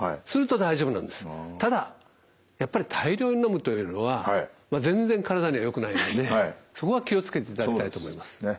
ただやっぱり大量に飲むというのは全然体にはよくないのでそこは気を付けていただきたいと思いますね。